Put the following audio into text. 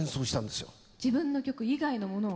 自分の曲以外のものを？